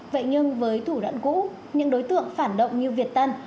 vậy nhưng với thủ đoạn cũ những đối tượng phản động như việt tân